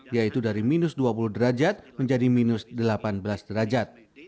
yaitu dari minus dua puluh derajat menjadi minus delapan belas derajat